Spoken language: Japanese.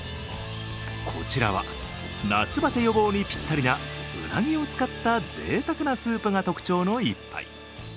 こちらは夏バテ予防にぴったりなウナギを使ったぜいたくなスープが特徴の１杯。